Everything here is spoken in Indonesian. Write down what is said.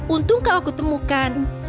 untung kau aku temukan